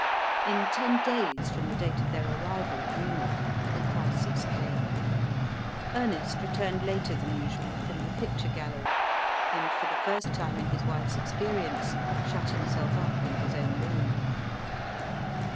In ten days from the date of their arrival at Munich the crisis came. Ernest returned later than usual from the picture gallery, and, for the first time in his wife's experience, shut himself up in his own room.